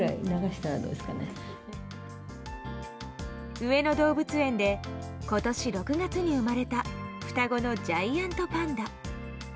上野動物園で今年６月に生まれた双子のジャイアントパンダ。